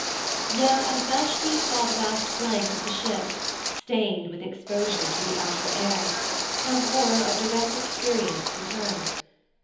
Yet as Vashti saw the vast flank of the ship, stained with exposure to the outer air, her horror of direct experience returned.